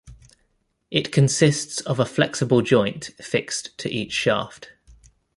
It consists of a flexible joint fixed to each shaft.